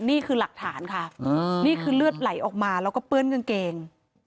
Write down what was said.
นี่คือหลักฐานค่ะนี่คือเลือดไหลออกมาแล้วก็เปื้อนกางเกง